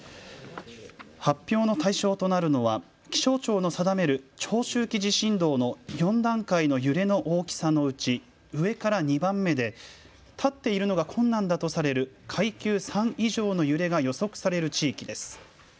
発表の対象となるのは気象庁の定める長周期地震動の４段階の揺れの大きさのうち上から２番目で、立っているのが困難だとされる階級３以上の揺れが予測される地域です。